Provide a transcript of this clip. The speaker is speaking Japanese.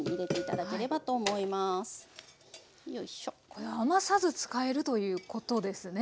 これ余さず使えるということですね